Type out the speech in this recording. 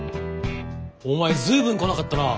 お前随分来なかったな。